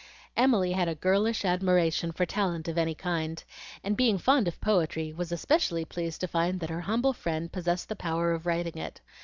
Emily had a girlish admiration for talent of any kind, and being fond of poetry, was especially pleased to find that her humble friend possessed the power of writing it.